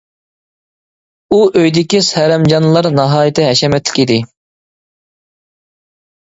ئۇ ئۆيدىكى سەرەمجانلار ناھايىتى ھەشەمەتلىك ئىدى.